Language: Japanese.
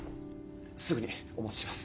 すぐにお持ちします。